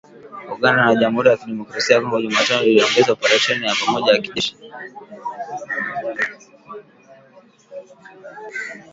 Uganda na Jamhuri ya Kidemokrasi ya Kongo Jumatano ziliongeza oparesheni ya pamoja ya kijeshi